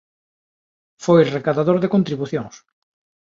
Foi recadador de contribucións.